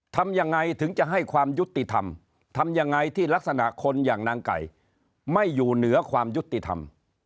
ทำยังไงถึงจะให้ความยุติธรรมทำยังไงที่ลักษณะคนอย่างนางไก่ไม่อยู่เหนือความยุติธรรม